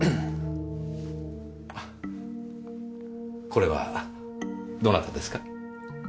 これはどなたですか？